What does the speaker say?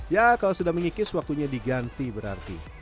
ya kalau sudah mengikis waktunya diganti berarti